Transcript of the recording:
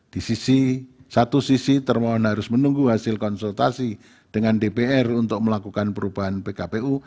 di sisi satu sisi termohon harus menunggu hasil konsultasi dengan dpr untuk melakukan perubahan pkpu